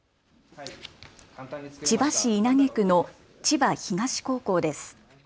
千葉市稲毛区の千葉東高校です。